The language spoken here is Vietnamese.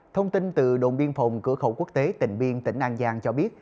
thông tin từ đồn biên phòng cửa khẩu quốc tế tỉnh biên tỉnh an giang cho biết